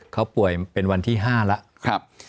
เขาป่วยเป็นวันที่๕แล้ว